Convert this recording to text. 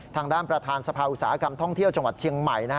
ทางด้านประธานสภาอุตสาหกรรมท่องเที่ยวจังหวัดเชียงใหม่